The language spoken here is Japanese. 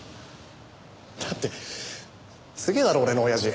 だってすげえだろ俺の親父。